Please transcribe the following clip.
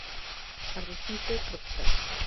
Arrecife tropical.